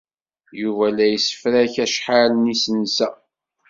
Yuba la yessefrak acḥal n yisensa.